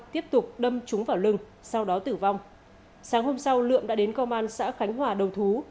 tiếp tục đâm trúng vào lưng sau đó tử vong sáng hôm sau lượm đã đến công an xã khánh hòa đầu thú